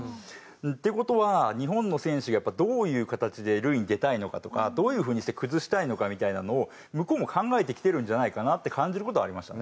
っていう事は日本の選手がどういう形で塁に出たいのかとかどういう風にして崩したいのかみたいなのを向こうも考えてきてるんじゃないかなって感じる事はありましたね。